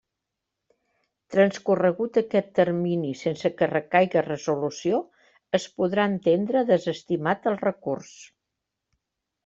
Transcorregut aquest termini sense que recaiga resolució es podrà entendre desestimat el recurs.